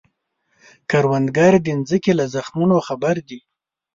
کروندګر د ځمکې له زخمونو خبر دی